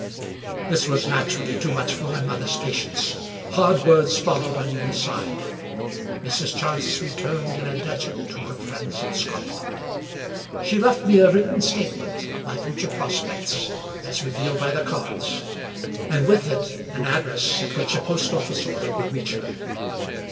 " This was, naturally, too much for my mother's patience; hard words followed on either side; Mrs. Chance returned in dudgeon to her friends in Scotland. She left me a written statement of my future prospects, as revealed by the cards, and with it an address at which a post office order would reach her.